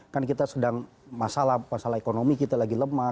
kan kita sedang masalah ekonomi kita lagi lemah